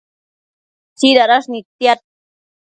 tsidadash nidtiad